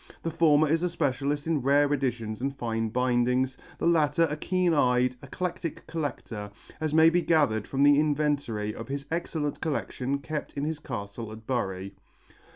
The former is a specialist in rare editions and fine bindings, the latter a keen eyed, eclectic collector, as may be gathered from the inventory of his excellent collection kept in his castle of Bury.